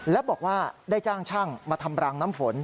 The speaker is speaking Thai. และบอกว่าได้จ้างช่างมาทำรางน้ำฝน